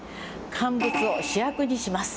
乾物を主役にします。